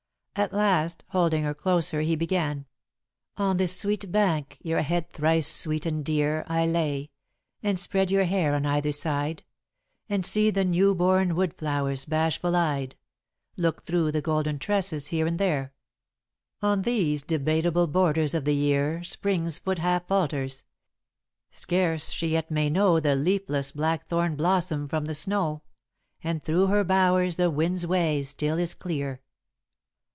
At last, holding her closer, he began: [Sidenote: Suiting the Action to the Word] "On this sweet bank your head thrice sweet and dear I lay, and spread your hair on either side, And see the new born woodflowers bashful eyed Look through the golden tresses here and there. On these debatable borders of the year Spring's foot half falters; scarce she yet may know The leafless blackthorn blossom from the snow; And through her bowers the wind's way still is clear."